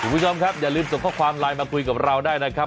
คุณผู้ชมครับอย่าลืมส่งข้อความไลน์มาคุยกับเราได้นะครับ